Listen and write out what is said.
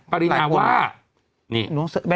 ปารีนาว่า